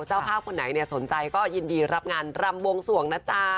เจ้าภาพคนไหนสนใจก็ยินดีรับงานรำบวงสวงนะจ๊ะ